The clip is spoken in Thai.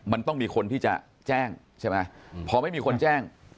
มันต้องมีคนที่จะแจ้งใช่ไหมพอไม่มีคนแจ้ง